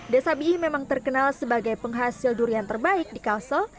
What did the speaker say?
desa biih memang terkenal sebagai penghasil durian terbaik di kalsel